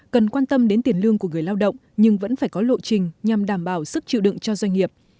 cần quan tâm đến tiền lương của người lao động nhưng vẫn phải có lộ trình nhằm đảm bảo sức chịu đựng cho doanh nghiệp